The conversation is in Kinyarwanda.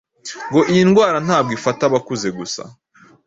ngo iyi ndwara ntabwo ifata abakuze gusa